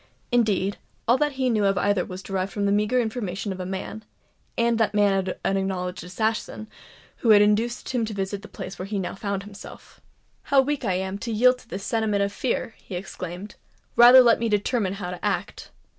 Indeed, all that he knew of either was derived from the meagre information of the man (and that man an acknowledged assassin!) who had induced him to visit the place where he now found himself. "How weak I am to yield to this sentiment of fear!" he exclaimed. "Rather let me determine how to act."